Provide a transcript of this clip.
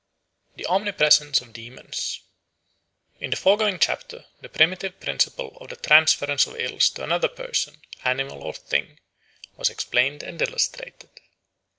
The Omnipresence of Demons IN THE FOREGOING chapter the primitive principle of the transference of ills to another person, animal, or thing was explained and illustrated.